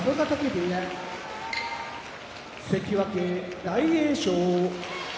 部屋関脇・大栄翔